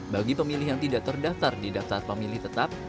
bagi pemilih yang tidak terdaftar di daftar pemilih tetap